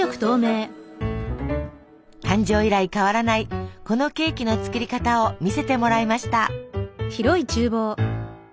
誕生以来変わらないこのケーキの作り方を見せてもらいました。